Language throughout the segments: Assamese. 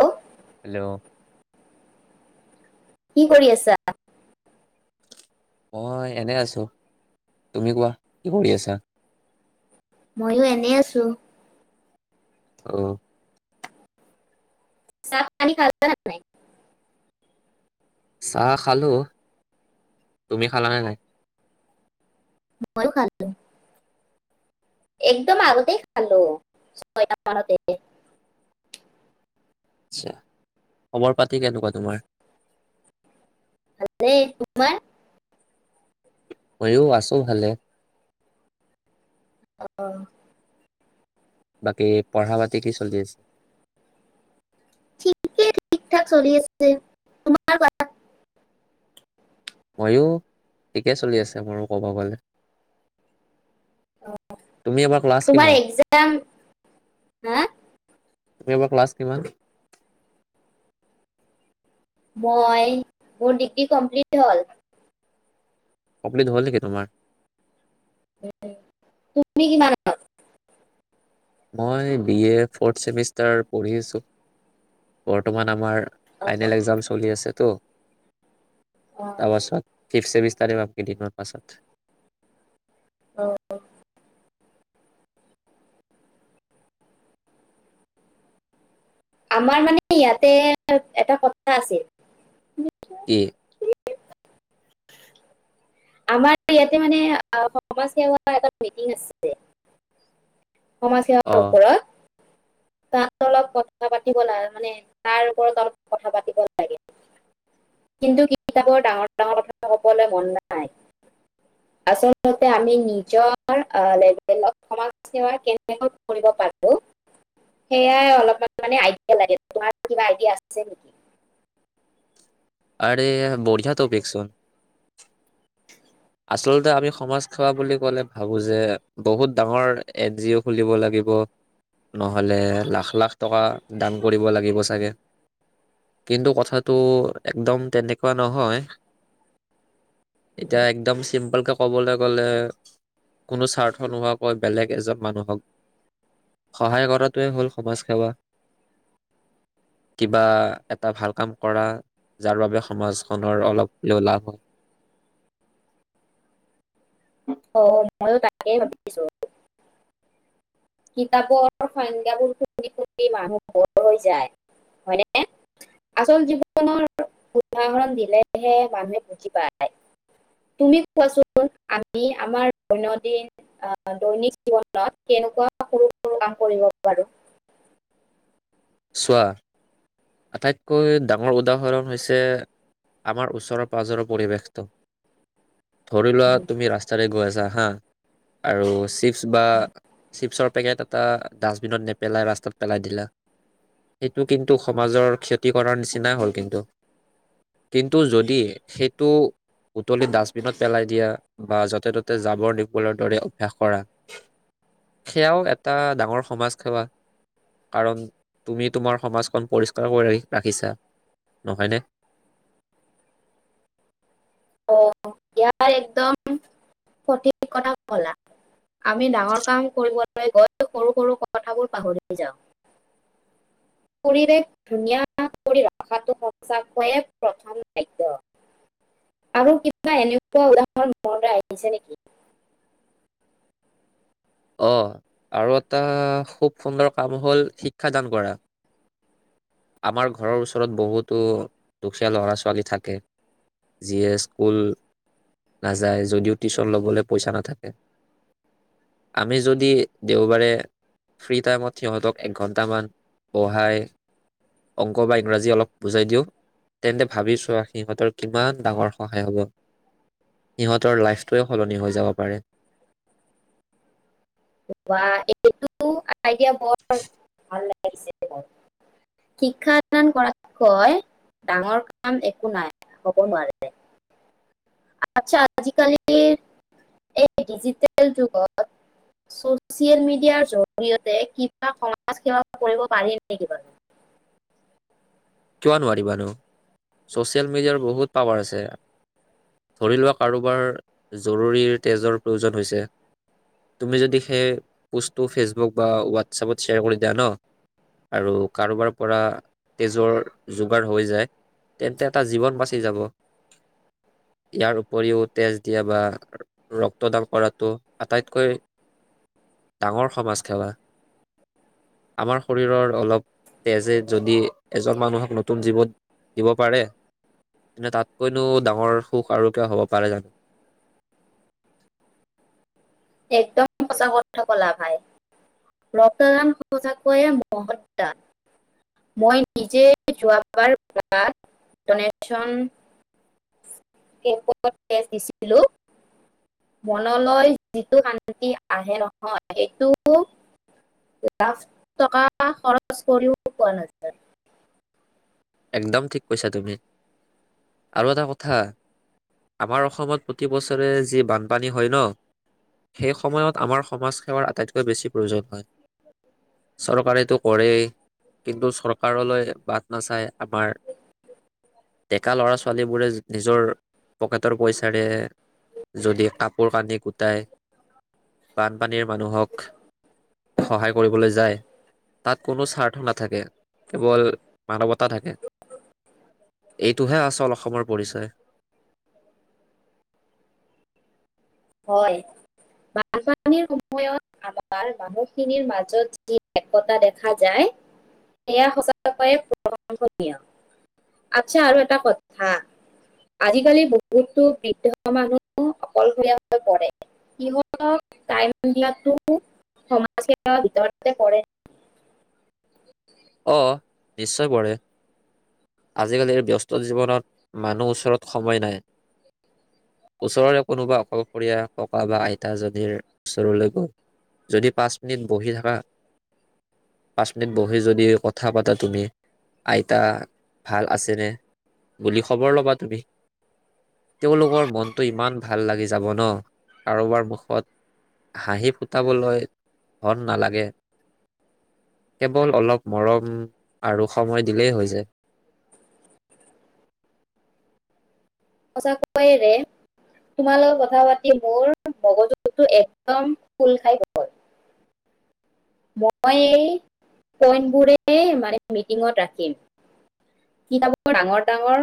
হেল্ল' হেল্ল' কি কৰি আছা? মই এনে আছো। তুমি কোৱা কি কৰি আছা? ময়ো এনে আছো। আহ। চাহ পানী খালা‌ নাই? চাহ খালো। তুমি খালানে নাই? ম‌ইয়ো খালো। একদম আগতেই খালো। ছয়টা মানতে। আচ্ছা। খবৰ পাতি কেনেকুৱা তোমাৰ? ভালেই। তোমাৰ? ময়ো আছো ভালে। আহ। বাকী পঢ়া পাতি কি চলি আছে? ঠিকেই ঠিক ঠাক চলি আছে। তোমাৰ কোৱা? ময়ো ঠিকে চলি আছে মোৰো কব গলে। তুমি এবাৰ ক্লাছ তোমাৰ কিমান? এক্সাম হা তুমি এবাৰ ক্লাছ কিমান? মই মোৰ ডিগ্ৰী কমপ্লিট হ'ল। কপ্লিট হ'ল নেকি তোমাৰ? তুমি কিমানত? মই বি এ ফৰ্থ চেমিষ্টাৰ পঢ়ি আছো বৰ্তমান আমাৰ অ, ফাইনেল একজাম চলি আছে তো অ, তাৰপাছত ফিফ্থ ছেমিষ্টাৰ এ পাম কেইদিনমান পাছত। অঁ। আমাৰ মানে ইয়াতে এটা কথা আছিল কি? আমাৰ ইয়াতে মানে সমাজসেৱা এটা মিটিং আছে। সমাজ সেৱাৰ অঁ ওপৰত। ‌ তাত [unintelligible] থা পাতিব লা মানে তাৰ ওপৰত অলপ কথা পাতিব লাগে, কিন্তু কিতাপৰ ডাঙৰ ডাঙৰ কথা কবলে মন নাই। আচলতে আমি নিজৰ অ লেভেলত সমাজ সেৱা কেনেকৈ কৰিব পাৰো সেয়াই অলপমান মানে আইডিয়া লাগে তোমাৰ কিবা আইডিয়া আছে নেকি? আৰে বঢ়িয়া টপিকচোন। [inaudible] আচলতে আমি সমাজসেৱা বুলি ক'লে ভাবোঁ যে বহুত ডাঙৰ এন জি অ' খুলিব লাগিব, নহ'লে লাখ লাখ টকা দান কৰিব লাগিব চাগে কিন্তু কথা টো একদম তেনেকুৱা নহয়, এতিয়া [unintelligible] পল কে কবলে গলে কোনো স্বাৰ্থ নোহোৱাকৈ বেলেগ এজন মানুহক সহায় কৰাটোৱে হ'ল সমাজ সেৱা, কিবা এটা ভাল কাম কৰা যাৰ বাবে সমাজখনৰ অলপ হলেও লাভ হয়। অ ময়ো তাকে ভাবিছো। কিতাপৰ সংজ্ঞাবোৰ শুনি শুনি মানুহ বৰ হৈ যায় হয়নে আচল জীৱনৰ উদাহৰণ দিলেহে মানুহে বুজি পায় তুমি কোৱাচোন আমি আমাৰ দৈনন্দিন দৈনিক জীৱনত কেনেকুৱা সৰু সৰু কাম কৰিব পাৰোঁ? চোৱা আটাইতকৈ ডাঙৰ উদাহৰণ হৈছে আমাৰ ওচৰৰ পাজৰৰ পৰিৱেশটো। ধৰি লোৱা তুমি ৰাস্তাৰে গৈ আছা হা আৰু চি বা চিপছৰ পেকেট টা ডাষ্টবিনত নেপেলাই ৰাস্তাত পেলাই দিলা এইটো কিন্তু সমাজৰ ক্ষতি কৰাৰ নিচিনাই হ'ল কিন্তু, কিন্তু যদি সেইটো উতলি ডাষ্টবিনত পেলাই দিয়া বা য'তে ত'তে জাবৰ নিপবলৰ দৰে অভ্যাস কৰা সেয়াও এটা ডাঙৰ সমাজ সেৱা, কাৰণ তুমি তোমাৰ সমাজখন পৰিষ্কাৰ কৰি ৰাখিছা নহয়নে? অ' ইয়াৰ একদম সঠিক কথা কলা। আমি ডাঙৰ কাম কৰিব [unintelligible] গৈ সৰু সৰু কথাবোৰ পাহৰি যাওঁ। পৰিৱেশ ধুনীয়া কৰি ৰখাটো সঁচাকৈয়ে কৈয়ে প্ৰথম খাদ্য। আৰু কিবা এনেকুৱা উদাহৰণৰ মনলৈ আহিছে নেকি? অ' আৰু এটা খুব সুন্দৰ কাম হ'ল শিক্ষাদান কৰা। আমাৰ ঘৰৰ ওচৰত বহুতো দুখীয়া ল'ৰা ছোৱালী থাকে যিয়ে স্কুল নাযায় যদিও টিউচন ল'বলৈ পইচা নাথাকে। আমি যদি দেওবাৰে ফ্ৰী টাইমত সিহঁতক এক ঘণ্টামান বহাই অংক বা ইংৰাজী অলপ বুজাই দিওঁ, তেন্তে ভাবি চোৱা সিহঁতৰ কিমান ডাঙৰ সহায় হ'ব। সিহঁতৰ লাইফটোৱে সলনি হৈ যাব পাৰে। বা এইটোতো আইডিয়া বৰ ভাল লাগিছে। শিক্ষা দান কৰাতকৈ ডাঙৰ কাম একো নাই হব নোৱাৰে। আচ্ছা আজিকালিৰ এই ডিজিটেল যুগত ছ'চিয়েল মিডিয়াৰ জৰিয়তে কিবা সমাজসেৱা কৰিব পাৰি নেকি বাৰু? কিয় নোৱাৰিবা নো। ছ'চিয়েল মিডিয়াৰ বহুত পাৱাৰ আছে ধৰি লোৱা কাৰোবাৰ জৰুৰীৰ তেজৰ প্ৰয়োজন হৈছে, তুমি যদি সেই পোষ্টটো ফেচবুক বা হোৱাটছাপত শ্বেয়াৰ কৰি দিয়া ন আৰু কাৰোবাৰ পৰা তেজৰ যোগাৰ হৈ যায় তেন্তে এটা জীৱন বাচি যাব। ইয়াৰ উপৰিও তেজ দিয়া বা ৰক্তদান কৰাতটো আটাইতকৈ ডাঙৰ সমাজ সেৱা। আমাৰ শৰীৰৰ অলপ তেজে যদি এজন মানুহৰ নতুন জীৱন দিব পাৰে তেন্তে তাতকৈনো ডাঙৰ সুখ আৰু কিবা হ'ব পাৰে জানো। একদম সচা কথা কলা ভাই। ৰক্তদান সচাকৈয়ে মহৎ দান, মই নিজে যোৱাবাৰ [unintelligible] দনেচন কেম্পত তেজ দিছিলো, মনলৈ যিটো শান্তি আহে নহয় সেইটো লাখ টকা খৰচ কৰিও পোৱা নাযায়। একদম ঠিক কৈছা তুমি আৰু এটা কথা আমাৰ অসমত প্ৰতি বছৰে যি বানপানী হয় ন সেই সময়ত আমাৰ সমাজ সেৱাৰ আটাইতকৈ বেছি প্ৰয়োজন হয়। চৰকাৰেটো কৰেই কিন্তু চৰকাৰলৈ বাট নাচায় আমাৰ ডেকা ল'ৰা ছোৱালীবোৰে নিজৰ পকেটৰ পইচাৰে যদি কাপোৰ কানি গোটাই বানপানীৰ মানুহক সহায় কৰিবলৈ যায়, তাত কোনো স্বাৰ্থ নাথাকে কেৱল মানৱত তা থাকে এইটোহে আচল অসমৰ পৰিচয়। হয়। বানপানীৰ সময়ত আমাৰ মানুহখিনিৰ মাজত যি একতা দেখা যায় সেয়া সঁচয়ে প্ৰশংসনীয় আচ্ছা আৰু এটা কথা, আজিকালি বহুতো বৃদ্ধ মানুহ অকলশৰীয়া হৈ পৰে সিহত, সিহঁতক টাইম দিয়াতো সমাজ সেৱা ভিতৰতে পৰে। অ নিশ্চয় পৰে। আজিকালিৰ ব্যস্ত জীৱনত মানুহ ওচৰত সময় নাই ওচৰৰে কোনোবা অকলশৰীয়া ককা বা আইতাজীৰ ওচৰলৈ গৈ যদি পাঁচ মিনিট বহি থকা পাঁচ মিনিট বহি যদি, কথা পাতা তুমি আইতা ভাল আছেনে, বুলি খবৰ ল'বা তুমি তেওঁলোকৰ মনটো ইমান ভাল লাগি যাব ন কাৰোবাৰ মুখত হাঁহি ফুটাবলৈ ধন নালাগে কেৱল অলপ, মৰম আৰু সময় দিলেই হৈ যায়। সঁচাকৈয়ে ৰে তোমাৰ লগত কথা পাতি মোৰ মগজুটো একদম ফুল খাই গল। মই এই পইণ্ট বোৰে মানে মিটিঙত ৰাখিম কিতাপৰ ডাঙৰ ডাঙৰ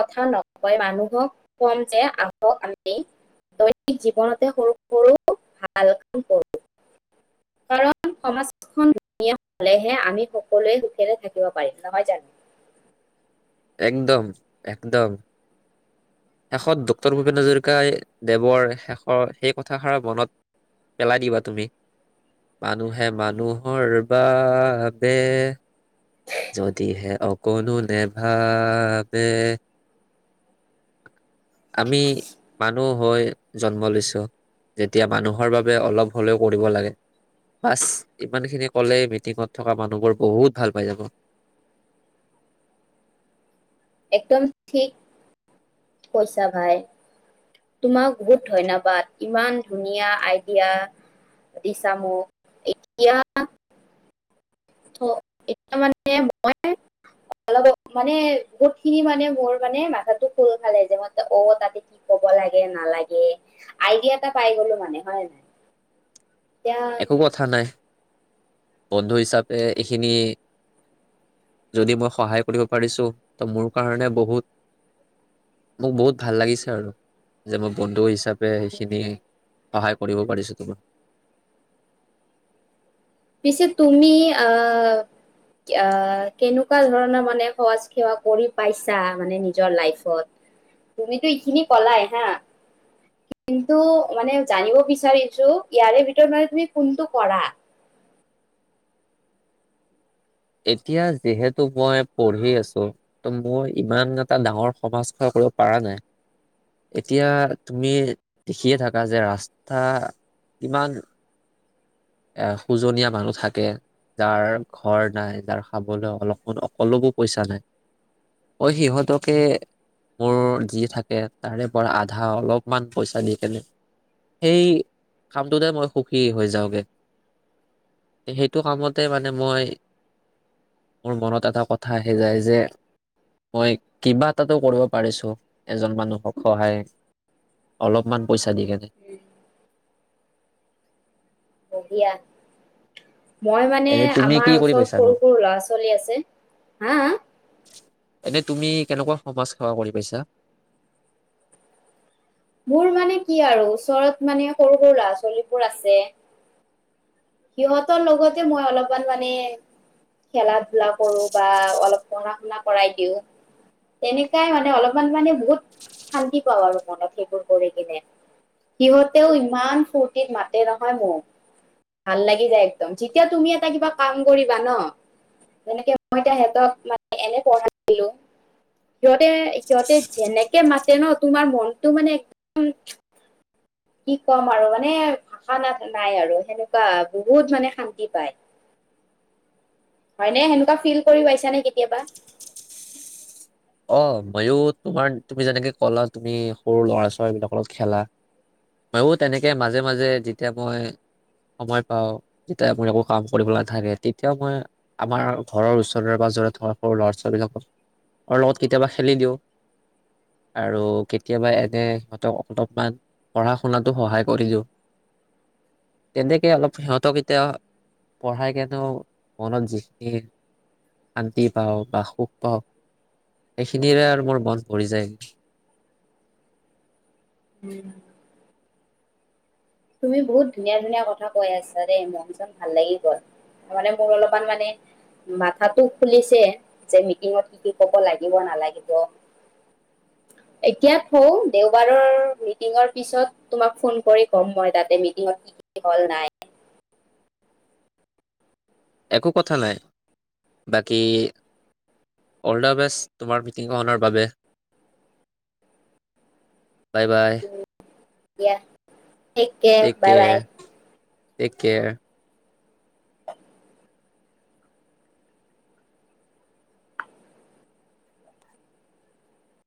কথা নকয় মানুহক কম যে আহক আমি দৈনিক জীৱনতে সৰু সৰু ভাল কাম কৰো কাৰণ? সমাজখন নিয় হ'লেহে আমি সকলোৱে সুখেৰে থাকিব পাৰিম নহয় জানো। একদম একদম শেষত ডক্টৰ ভূপেন হাজৰিকাই দেৱৰ শেষৰ সেই কথাষাৰ মনত পেলাই দিবা তুমি মানুহে মানুহৰ বাবে যদিহে অকণো নেভাবে। আমি মানুহ হৈ জন্ম লৈছো যেতিয়া মানুহৰ বাবে অলপ হলেও কৰিব লাগে বাছ ইমানখিনি কলে মিটিঙত থকা মানুহবোৰ বহুত ভাল পাই যাব। একদম ঠিক কৈছা ভাই তোমাক বহুত ধন্যবাদ ইমান ধুনীয়া আইডিয়া দিছা মোক এতিয়া। এয়া মানে মই অলপ মানে বহুত খিনি মানে মোৰ মানে মাথাটো খোল খালে যে মই অ তাতে কি কব লাগে নালাগে আইডিয়া এটা পাই গলো মানে হয় নাই। এতিয়া একো কথা নাই। বন্ধু হিচাপে এইখিনি যদি মই সহায় কৰিব পাৰিছো ত মোৰ কাৰণে বহুত মোক বহুত ভাল লাগিছে আৰু যে মই বন্ধু হিচাপে। পে সেইখিনি। সহায় কৰিব পাৰিছো তোমাক। পিছে তুমি আহ আহ কেনেকুৱা ধৰণৰ মানে সহজ সেৱা কৰি পাইছা মানে নিজৰ লাইফত তুমিতো এইখিনি কলাই হা কিন্তু মানে জানিব বিচাৰিছো ইয়াৰে ভিতৰত মানে তুমি কোনটো কৰা। এতিয়া যিহেতু মই পঢ়ি আছো ত মোৰ ইমান এটা ডাঙৰ সমাজ সেৱা কৰিব পৰা নাই এতিয়া তুমি দেখিয়ে থাকা যে ৰাস্তা ইমান। এ খোজনীয়া মানুহ থাকে যাৰ ঘৰ নাই যাৰ খাবলৈ অলপমান অলপ ও পইচা নাই মই সিহঁতকে মোৰ যি থাকে তাৰে পৰা আধা অলপমান পইচা দি কেনে সেই কামটোতে মই সুখী হৈ যাওঁগে। সেইটো কামতে মানে মই মোৰ মনত এটা কথা আহি যায় যে মই কিবা এটাটো কৰিব পাৰিছো এজন মানুহক সহায় অলপমান পইচা দি কেনে। ব্ৰহিয়া মই মানে এনে তুমি কি আমাৰ কৰি ওচৰত পাইছানো সৰু সৰু ল'ৰা ছোৱালী আছে হা। এনে তুমি কেনেকুৱা সমাজ সেৱা কৰি পাইছা? মোৰ মানে কি আৰু ওচৰত মানে সৰু সৰু ল'ৰা ছোৱালীবোৰ আছে, সিহঁতৰ লগতে মই অলপমান মানে খেলা ধূলা কৰো বা অলপ পঢ়া শুনা কৰাই দিওঁ তেনেকাই মানে অলপমান মানে বহুত শান্তি পাওঁ আৰু মনত সেইবোৰ কৰি কিনে সিহঁতেও ইমান ফূুৰ্তিত মাতে নহয় মোক। ভাল লাগি যায় একদম যেতিয়া তুমি এটা কিবা কাম কৰিবা ন যেনেকে মই ত সেহঁতক মানে এনে পঢ়াইছিলো সিহঁতে সিহঁতে যেনেকে মাতে ন তোমাৰ মনটো মানে একদম। কি কম আৰু মানে ভাষাা নাই আৰু সেনেকুৱা বহুত মানে শান্তি পায় হয়নে সেনেকুৱা ফিল কৰি পাইছা নে কেতিয়াবা? অ মইয়ো তোমাৰ তুমি যেনেকে কলা তুমি সৰু ল'ৰা ছোৱালীবিলাকৰ লগত খেলা মইো তেনেকে মাজে মাজে যেতিয়া মই সময় পাওঁ যেতিয়া মোৰ একো কাম কৰিবলৈা থাকে তেতিয়াও মই আমাৰ ঘৰৰ ওচৰৰে পাজৰে থকা সৰু ল'ৰা ছোৱালীবিলাকক। লগত কেতিয়াবা খেলি দিওঁ আৰু কেতিয়াবা এনে সিহঁতক অলপমান পঢ়া শুনাতো সহায় কৰি দিওঁ তেনেকে অলপ সিহঁতক এতিয়া পঢ়াই কেনেও মনত যিখিনি শান্তি পাওঁ বা সুখ পাওঁ। এইখিনিৰে আৰু মোৰ মন পৰি যায়। উম। তুমি বহুত ধুনীয়া ধুনীয়া কথা কৈ আছা দেই মন চন ভাল লাগি গল, তাৰ মানে মোৰ অলপমান মানে মাথাটো খুলিছে যে মিটিঙত কি কি কব লাগিব নালাগিব। এতিয়া থও দেওবাৰৰ মিটিঙৰ পিছত তোমাক ফোন কৰিম। কম মই তাতে কি কি মিটিংল হল নাই। একো কথা নাই বাকী। অল দা বেষ্ট তোমাৰ মিটিংখনৰ বাবে বাই বাই। দিয়া। তেক কেৰ বাই বাই। তেক কেয়াৰ। [unintelligible]